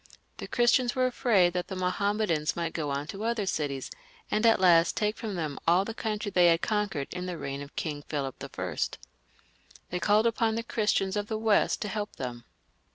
The Christians were afraid that the Mahommedans might go on to other cities, and at last take from them all the country they had conquered in the reign of King Philip L They called upon the Chris tians of the West to help them.